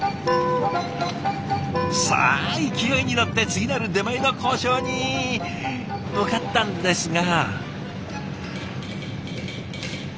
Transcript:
さあ勢いに乗って次なる出前の交渉に向かったんですが。